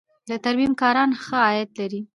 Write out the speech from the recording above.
د ترمیم کاران ښه عاید لري